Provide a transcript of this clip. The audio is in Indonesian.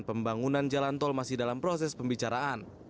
pembangunan jalan tol masih dalam proses pembicaraan